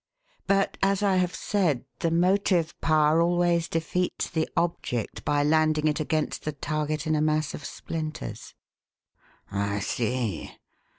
But, as I have said, the motive power always defeats the object by landing it against the target in a mass of splinters." "I see.